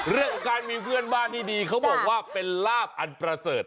เรื่องของการมีเพื่อนบ้านที่ดีเขาบอกว่าเป็นลาบอันประเสริฐ